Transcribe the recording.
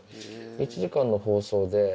１時間の放送で。